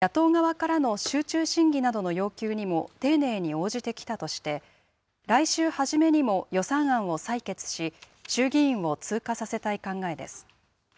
与党側は、審議時間は着実に積み重ねられており、野党側からの集中審議などの要求にも丁寧に応じてきたとして、来週はじめにも予算案を採決し、衆議院を通過させたい考えです。